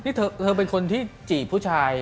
นี่เธอเป็นคนที่จีบผู้ชาย